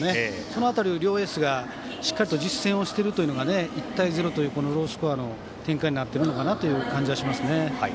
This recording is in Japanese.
その辺りを両エースがしっかり実践しているというのが１対０というロースコアの展開になっている感じがしますね。